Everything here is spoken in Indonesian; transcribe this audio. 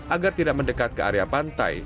agar tidak mendekat ke area pantai